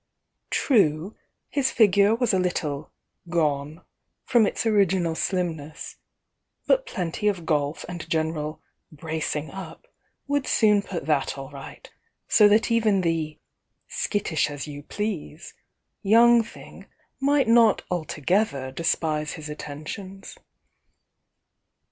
True, his figure was a little "gone" from its original slimness, — but plenty of golf and general "bracing up" would soon put that all right, so that even the "skittish as you pleasc" young thing might not altogether despise his attentions.